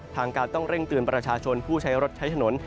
ทางการต้องเร่งเตือนประชาชนผู้ใช้รถใช้ถนน